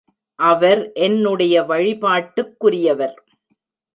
அவர் என்னுடைய வழிபாட்டுக்குரியவர்.